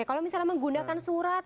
kalau misalnya menggunakan surat